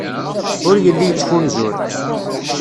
Ur yelli yettfunzur.